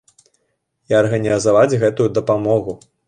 І арганізаваць гэтую дапамогу.